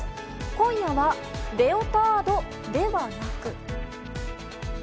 今夜は、レオタードではなく。